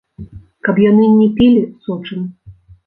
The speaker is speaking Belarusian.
Каб яны не пілі, сочым.